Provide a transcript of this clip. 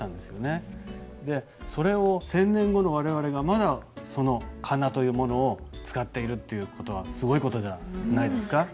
でそれを１，０００年後の我々がまだその仮名というものを使っているという事はすごい事じゃないですか？